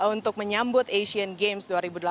untuk menyambut asian games dua ribu delapan belas